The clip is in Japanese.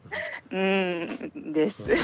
うんです。